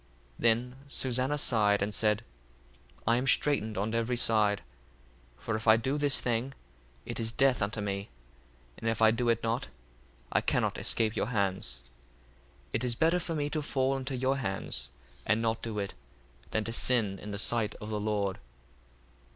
1:22 Then Susanna sighed, and said, I am straitened on every side: for if I do this thing, it is death unto me: and if I do it not I cannot escape your hands. 1:23 It is better for me to fall into your hands, and not do it, than to sin in the sight of the Lord.